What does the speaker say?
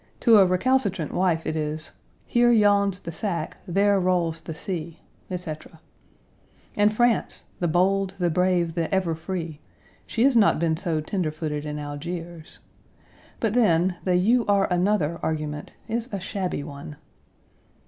To a recalcitrant wife it is, "Here yawns the sack ; there rolls the sea," etc. And France, the bold, the brave, the ever free, she has not been so tender footed in Algiers. But then the "you are another" argument is a shabby one.